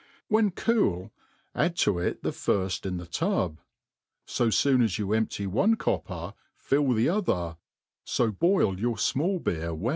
When cool, add to it the firft in the *tub; fo foon as you empty one copper, fill the other, fo boif your fmall beer ^1.